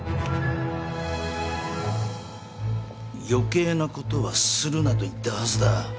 余計なことはするなと言ったはずだ。